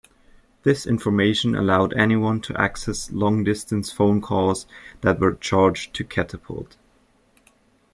This information allowed anyone to access long-distance phone calls that were charged to Catapult.